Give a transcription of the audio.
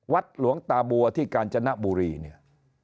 หลวงตาบัวที่กาญจนบุรีเนี่ย